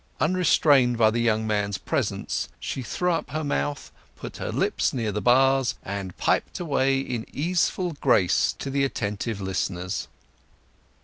Unrestrained by the young man's presence she threw up her mouth, put her lips near the bars, and piped away in easeful grace to the attentive listeners.